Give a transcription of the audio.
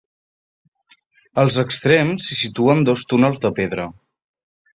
Als extrems s'hi situen dos túnels de pedra.